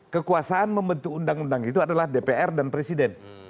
kekuasaan membentuk undang undang itu adalah dpr dan presiden